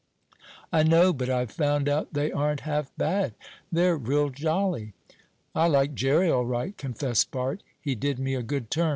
"I know; but I've found out they aren't half bad. They're real jolly." "I like Jerry all right," confessed Bart. "He did me a good turn.